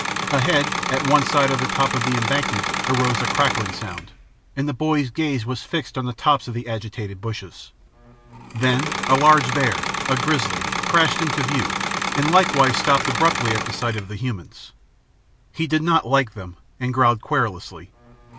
Ahead, at one side of the top of the embankment, arose a crackling sound, and the boy's gaze was fixed on the tops of the agitated bushes. Then a large bear, a grizzly, crashed into view, and likewise stopped abruptly, at sight of the humans. He did not like them, and growled querulously.